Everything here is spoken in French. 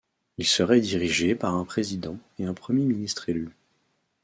Il serait dirigé par un Président et un Premier ministre élus.